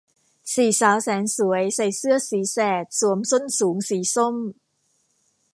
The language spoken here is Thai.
สี่สาวแสนสวยใส่เสื้อสีแสดสวมส้นสูงสีส้ม